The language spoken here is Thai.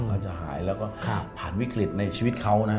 เขาจะหายแล้วก็ผ่านวิกฤตในชีวิตเขานะฮะ